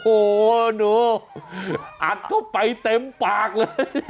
โอ้โหหนูอัดเข้าไปเต็มปากเลย